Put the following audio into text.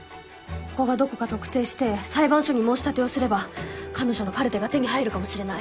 ここがどこか特定して裁判所に申立てをすれば彼女のカルテが手に入るかもしれない。